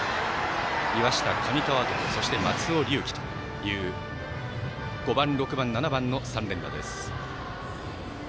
岩下、上川床、松尾龍樹という５番、６番、７番の３連打です。